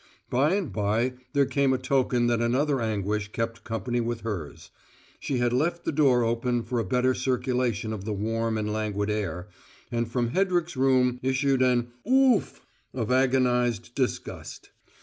By and by, there came a token that another anguish kept company with hers. She had left her door open for a better circulation of the warm and languid air, and from Hedrick's room issued an "oof!" of agonized disgust.